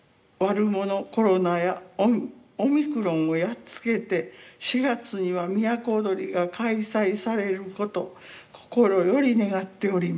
コロナやオミクロンをやっつけて４月には都をどりが開催されること心より願っております。